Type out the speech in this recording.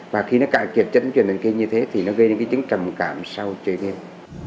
và khi nó cạn kiệt chất dẫn truyền thần kinh như thế thì nó gây đến trực chứng trầm cảm sau chơi game